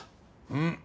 うん。